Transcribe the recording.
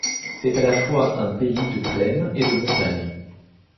C'est à la fois un pays de plaines et de montagnes.